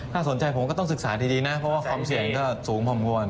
ถ้าสนใจผมก็ต้องศึกษาดีนะเพราะว่าความเสี่ยงก็สูงพอควร